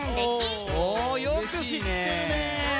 およくしってるね。